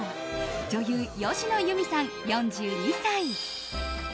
女優・芳野友美さん、４２歳。